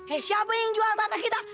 eh siapa yang jual tanah kita